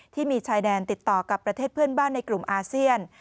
ที่มีชายแดนติดต่อกับประเทศเพื่อนบ้านในกลุ่มอาเซียน